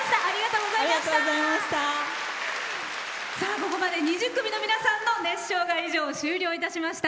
ここまで２０組の皆さんの熱唱が以上終了いたしました。